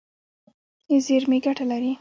زیرمې ګټه لري.